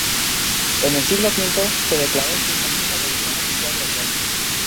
En el siglo V se declaró el Cristianismo religión oficial del reino.